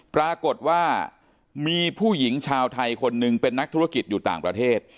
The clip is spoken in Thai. ปรากฏว่ามีผู้หญิงชาวไทยคนหนึ่งเป็นนักธุรกิจอยู่ต่างประเทศ